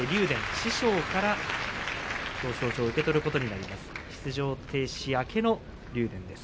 師匠から表彰状を受け取ることになります。